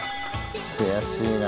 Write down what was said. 悔しいな。